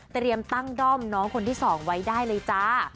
เตรียมตั้งด้อมน้องคนที่๒ไว้ได้เลยจ้า